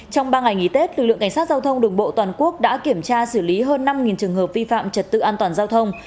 trong ba ngày nghỉ tết lực lượng cảnh sát giao thông đường bộ toàn quốc đã kiểm tra xử lý hơn năm trường hợp vi phạm trật tự an toàn giao thông